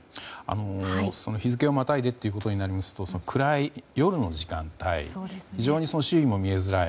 日付をまたいでということになりますと暗い夜の時間帯非常に、周囲も見えづらい。